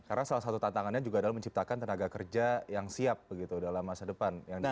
karena salah satu tantangannya juga adalah menciptakan tenaga kerja yang siap dalam masa depan